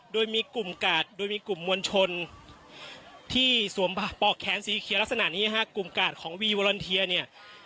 โดยมีกลุ่มกาดโดยมีกลุ่มมวลชนที่สวมปอกแขนสีเขียวลักษณะนี้ฮะกลุ่มกาดของวีวอลอนเทียเนี่ย